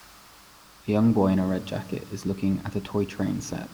A young boy in a red jacket is looking at a toy train set.